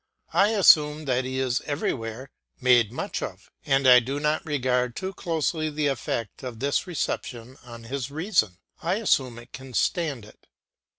I assume that he is everywhere made much of, and I do not regard too closely the effect of this reception on his reason; I assume it can stand it.